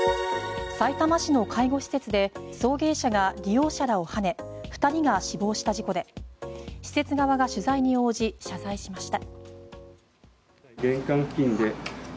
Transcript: さいたま市の介護施設で送迎車が利用者らをはね２人が死亡した事故で施設側が取材に応じ謝罪しました。